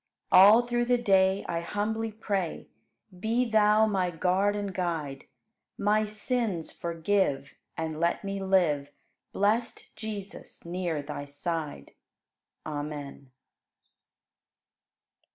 All through the day, I humbly pray, Be Thou my Guard and Guide; My sins forgive And let me live, Blest Jesus, near Thy side. Amen.